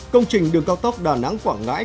công trình đường cao tốc đà nẵng quảng ngãi